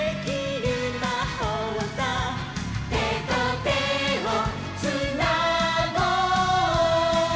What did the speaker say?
「手と手をつなごう！」